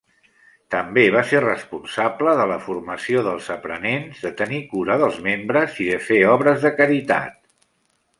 També va ser responsable de la formació dels aprenents, de tenir cura dels membres i de fer obres de caritat.